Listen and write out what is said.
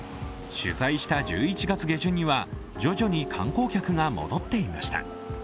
取材した１１月下旬には徐々に観光客が戻っていました。